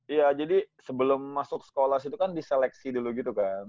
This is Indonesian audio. iya jadi sebelum masuk sekolah situ kan diseleksi dulu gitu kan